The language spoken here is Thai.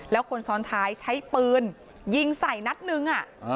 แล้วคนซ้อนท้ายใช้ปืนยิงใส่นัดนึง